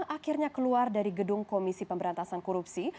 akhirnya keluar dari gedung komisi pemberantasan korupsi